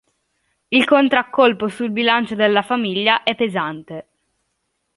Il contraccolpo sul bilancio della famiglia è pesante.